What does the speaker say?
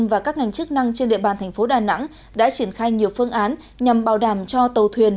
và các ngành chức năng trên địa bàn thành phố đà nẵng đã triển khai nhiều phương án nhằm bảo đảm cho tàu thuyền